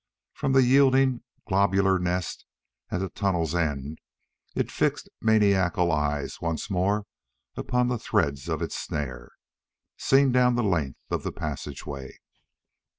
From the yielding, globular nest at the tunnel's end it fixed maniacal eyes once more upon the threads of its snare, seen down the length of the passage way.